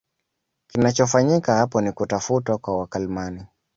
Kinachofanyika apo ni kutafutwa kwa wakalimani